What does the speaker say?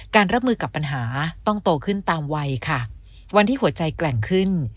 รับมือกับปัญหาต้องโตขึ้นตามวัยค่ะวันที่หัวใจแกร่งขึ้น